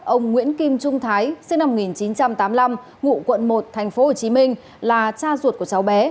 ông nguyễn kim trung thái sinh năm một nghìn chín trăm tám mươi năm ngụ quận một tp hcm là cha ruột của cháu bé